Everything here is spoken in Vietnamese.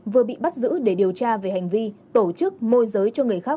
vừa bị bắt giữ để điều tra về hành vi tổ chức môi giới cho người khác